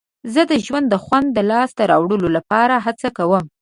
زه د ژوند د خوند د لاسته راوړلو لپاره هڅه کوم.